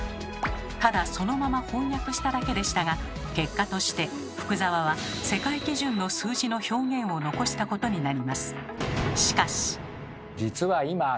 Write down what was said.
ただそのまま翻訳しただけでしたが結果として福沢は世界基準の数字の表現を残したことになります。